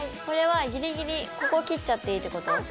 これはギリギリここ切っちゃっていいってこと？